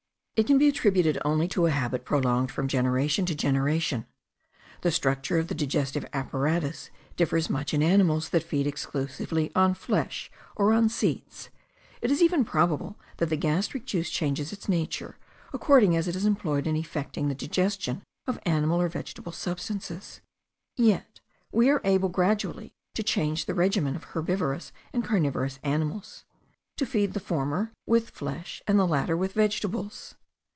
It can be attributed only to a habit prolonged from generation to generation. The structure of the digestive apparatus differs much in animals that feed exclusively on flesh or on seeds; it is even probable that the gastric juice changes its nature, according as it is employed in effecting the digestion of animal or vegetable substances; yet we are able gradually to change the regimen of herbivorous and carnivorous animals, to feed the former with flesh, and the latter with vegetables.